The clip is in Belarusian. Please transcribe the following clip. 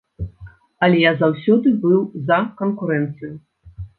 Але я заўсёды быў за канкурэнцыю.